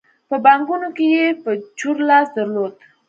په بانکونو کې یې په چور لاس درلود.